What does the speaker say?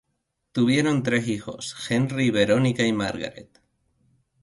Tuvieron tres hijos: Henry, Veronica, y Margaret.